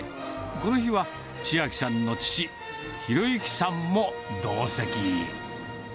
この日は、千晶さんの父、博行さんも同席。